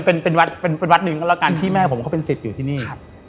เป็นวัดหนึ่งก็แล้วกันที่แม่ผมเป็นสิทธิ์อยู่ที่นี่